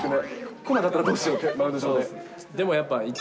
来なかったらどうしようって。